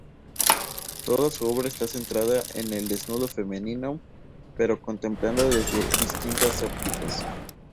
Toda su obra está centrada en el desnudo femenino, pero contemplado desde distintas ópticas.